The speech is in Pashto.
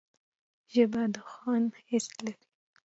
ژبه د خوند حس لري